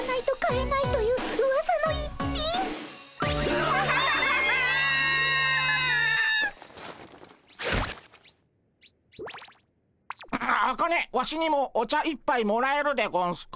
アアカネワシにもお茶一杯もらえるでゴンスか？